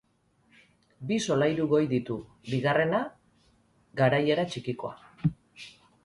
Bi solairu goi ditu, bigarrena garaiera txikikoa.